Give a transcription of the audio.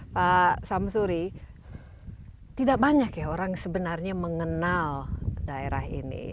pak samsuri tidak banyak ya orang sebenarnya mengenal daerah ini